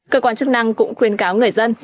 cơ quan chức năng cũng khuyên cáo người dân